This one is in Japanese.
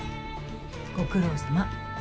ご苦労さま。